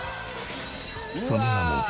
その名も「え？